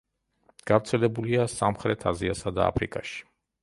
გავრცელებულია სამხრეთ აზიასა და აფრიკაში.